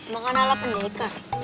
makan ala pendekar